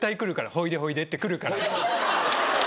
『ほいでほいで』ってくるから」。